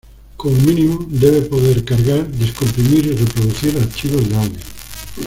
Como mínimo, debe poder cargar, descomprimir y reproducir archivos de audio.